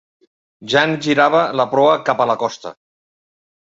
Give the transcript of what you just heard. Jeanne girava la proa cap a la costa.